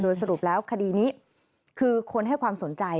สรุปแล้วคดีนี้คือคนให้ความสนใจ